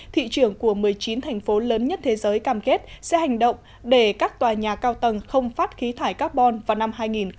thị trường của một mươi chín thành phố lớn nhất thế giới cam kết sẽ hành động để các tòa nhà cao tầng không phát khí thải carbon vào năm hai nghìn ba mươi